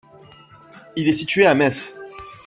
Il est situé à Metz.